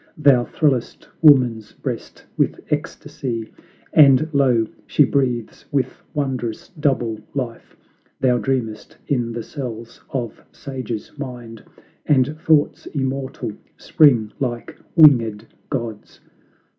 Thou thrillest woman's breast with ecstacy And lo! she breathes with wondrous double life. Thou dreamest in the cells of sage's mind, And thoughts, immortal, spring like winged gods.